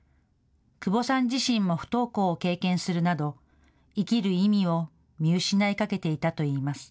窪さん自身も不登校を経験するなど、生きる意味を見失いかけていたといいます。